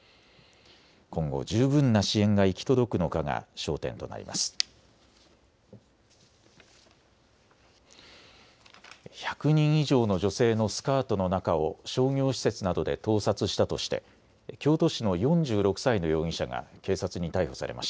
今後、十分な支援が行き届くのかが焦点となります。